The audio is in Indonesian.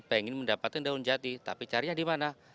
pengen mendapatkan daun jati tapi carinya di mana